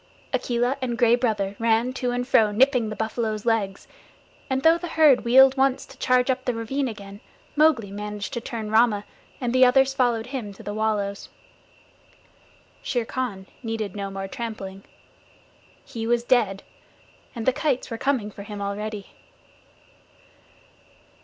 Akela and Gray Brother ran to and fro nipping the buffaloes' legs, and though the herd wheeled once to charge up the ravine again, Mowgli managed to turn Rama, and the others followed him to the wallows. Shere Khan needed no more trampling. He was dead, and the kites were coming for him already.